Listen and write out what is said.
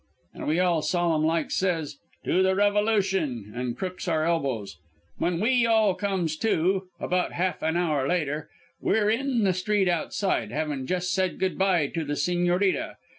"An' we all solemn like says, 'To the Revolution,' an' crooks our elbows. When we all comes to, about half an hour later, we're in the street outside, havin' jus' said good by to the Sigñorita.